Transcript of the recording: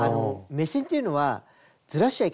目線っていうのはずらしちゃいけないんですね。